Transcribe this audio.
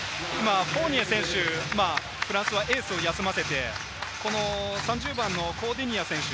フォーニエ選手、今フランスはエースを休ませて、３０番のコーディニア選手。